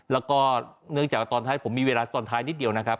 แล้วก็เนื่องจากว่าตอนท้ายผมมีเวลาตอนท้ายนิดเดียวนะครับ